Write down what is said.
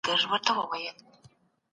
ولي پاکي اوبه د هر انسان لومړنۍ اړتیا ده؟